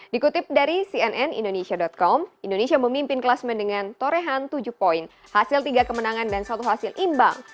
dikutip dari cnn indonesia com indonesia memimpin kelasmen dengan torehan tujuh poin hasil tiga kemenangan dan satu hasil imbang